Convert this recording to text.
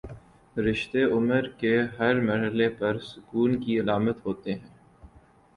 رشتے عمر کے ہر مر حلے پر سکون کی علامت ہوتے ہیں۔